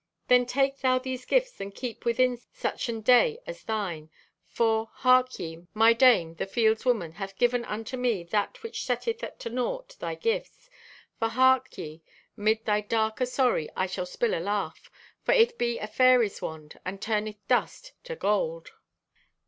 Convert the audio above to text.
Then take thou these gifts and keep within such an day as thine, for, hark ye, my dame, the field's woman, hath given unto me that which setteth at a naught thy gifts; for hark ye: mid thy dark o' sorry I shall spill a laugh, and it be a fairies' wand, and turneth dust to gold.